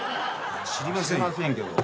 知りませんよ。